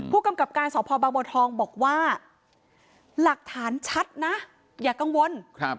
ผู้กำกับการสพบางบัวทองบอกว่าหลักฐานชัดนะอย่ากังวล